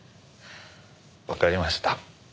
わかりました。